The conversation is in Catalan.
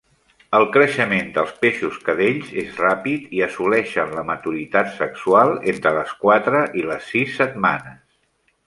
El creixement dels peixos cadells és ràpid i assoleixen la maturitat sexual entre les quatre i les sis setmanes.